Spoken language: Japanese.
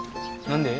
何で？